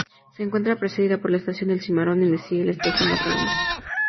Se encuentra precedida por la Estación El Cimarrón y le sigue Estación La Calandria.